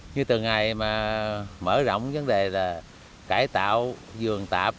như từ ngày mà mở rộng vấn đề là cải tạo vườn tạp